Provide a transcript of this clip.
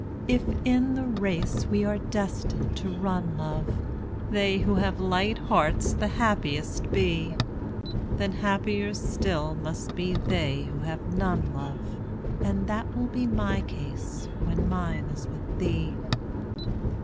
If in the race we are destined to run, love, They who have light hearts the happiest be, Then happier still must be they who have none, love. And that will be my case when mine is with thee.